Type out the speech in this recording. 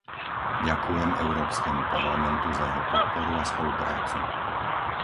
Ďakujem Európskemu parlamentu za jeho podporu a spoluprácu.